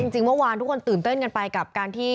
จริงเมื่อวานทุกคนตื่นเต้นกันไปกับการที่